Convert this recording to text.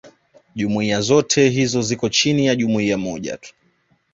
jumuiya zote hizo ziko chini ya jumuiya moja tu